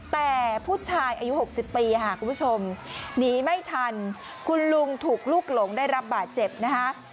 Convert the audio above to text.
แต่ผู้ชายอายุ๖๐ปีค่ะคุณผู้ชมหนีไม่ทันคุณลุงถูกลูกหลงได้รับบาดเจ็บนะคะ